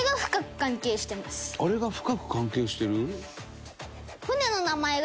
あれが深く関係してる？